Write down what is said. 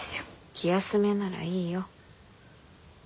気休めならいいよ。